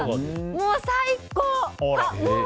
もう最高！